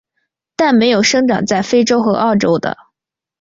但没有生长在非洲和澳洲的。